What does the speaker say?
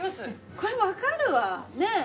これ分かるわ！ねぇ？